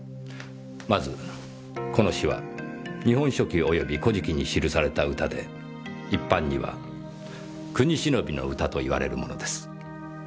まずこの詩は日本書紀及び古事記に記された歌で一般には国偲びの歌といわれるものです。